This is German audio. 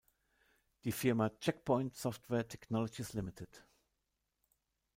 Die Firma Check Point Software Technologies Ltd.